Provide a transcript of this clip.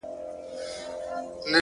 چي مرور نه یم، چي در پُخلا سم تاته،